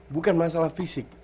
bukan masalah fisik